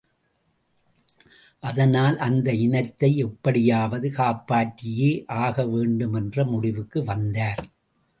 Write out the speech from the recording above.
அதனால் அந்த இனத்தை எப்படியாவது காப்பாற்றியே ஆக வேண்டும் என்ற முடிவுக்கு வந்தார்.